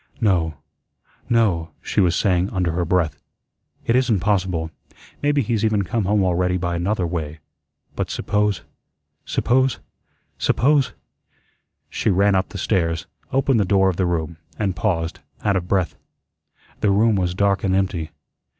"No, no," she was saying under her breath, "it isn't possible. Maybe he's even come home already by another way. But suppose suppose suppose." She ran up the stairs, opened the door of the room, and paused, out of breath. The room was dark and empty.